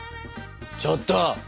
ちょっと！